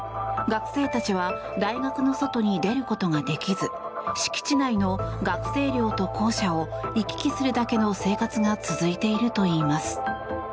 学生たちは大学の外に出ることができず敷地内の学生寮と校舎を行き来するだけの生活が続いているといいます。